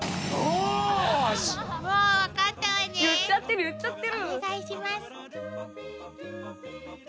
お願いします。